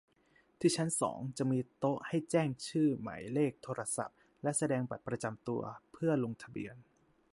ที่ชั้นสอง จะมีโต๊ะให้แจ้งชื่อ หมายเลขโทรศัพท์ และแสดงบัตรประจำตัว เพื่อลงทะเบียน